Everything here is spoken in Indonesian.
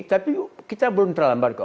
tapi kita belum terlambat kok